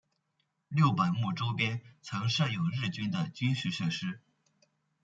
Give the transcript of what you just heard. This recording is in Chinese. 六本木周边曾设有日军的军事设施。